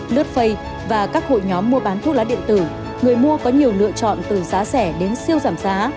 lướt face và các hội nhóm mua bán thuốc lá điện tử người mua có nhiều lựa chọn từ giá rẻ đến siêu giảm giá